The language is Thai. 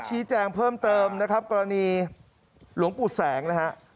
ชี้แจงเพิ่มเติมนะครับกรณีหลวงปู่แสงนะฮะ